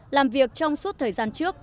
làm việc trong suốt thời gian trước